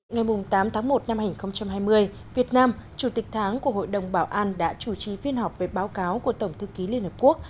ngày tám tháng một năm hai nghìn hai mươi việt nam chủ tịch tháng của hội đồng bảo an đã chủ trì phiên họp về báo cáo của tổng thư ký liên hợp quốc